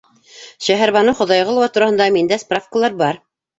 Шәһәрбаныу Хоҙайғолова тураһында миндә справкалар бар.